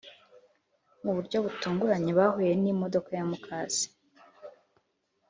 muburyo butunguranye bahuye ni modoka ya mukase